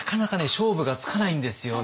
勝負がつかないんですよね。